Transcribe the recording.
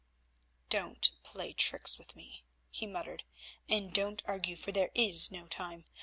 "Don't play tricks with me," he muttered, "and don't argue, for there is no time.